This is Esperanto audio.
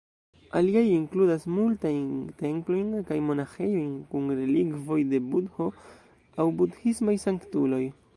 Aliaj inkludas multajn templojn kaj monaĥejojn kun relikvoj de Budho aŭ budhismaj sanktuloj.